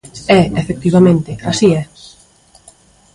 E, efectivamente, así é.